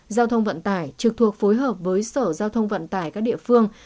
giao thông vận tải trực thuộc phối hợp với sở giao thông vận tải các địa phương